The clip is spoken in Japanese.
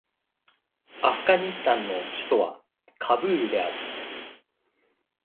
アフガニスタンの首都はカブールである